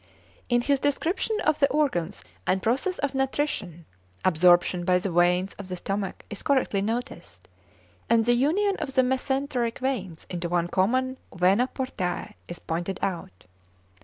In his description of the organs and process of nutrition, absorption by the veins of the stomach is correctly noticed, and the union of the mesenteric veins into one common vena portæ is pointed out.